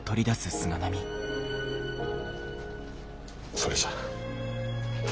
それじゃ。